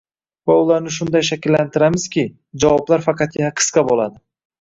va ularni shunday shakllantiramizki, javoblar faqatgina qisqa bo‘ladi.